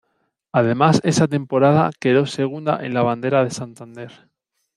Además esa temporada quedó segunda en la Bandera de Santander.